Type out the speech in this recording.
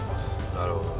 なるほどね。